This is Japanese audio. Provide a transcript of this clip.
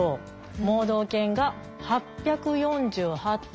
盲導犬が８４８頭。